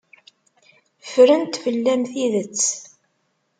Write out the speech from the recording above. Ffrent fell-am tidet.